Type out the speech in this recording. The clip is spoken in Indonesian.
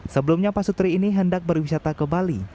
sebelumnya pak sutri ini hendak berwisata ke bali